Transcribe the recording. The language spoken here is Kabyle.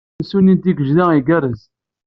Asensu-nni n Tigejda igarrez